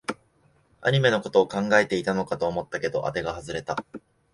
アニメのことを考えていたのかと思ったけど、あてが外れた